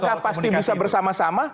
apakah pasti bisa bersama sama